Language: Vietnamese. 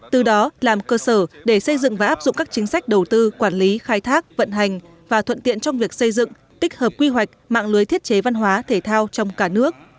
từ đó làm cơ sở để xây dựng và áp dụng các chính sách đầu tư quản lý khai thác vận hành và thuận tiện trong việc xây dựng tích hợp quy hoạch mạng lưới thiết chế văn hóa thể thao trong cả nước